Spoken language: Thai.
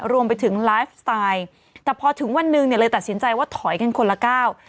รวมไปถึงไลฟ์สไตล์แต่พอถึงวันหนึ่งเนี่ยเลยตัดสินใจว่าถอยกันคนละก้าว